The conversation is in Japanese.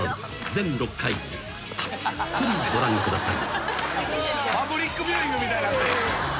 全６回たっぷりご覧ください］